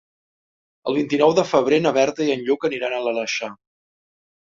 El vint-i-nou de febrer na Berta i en Lluc aniran a l'Aleixar.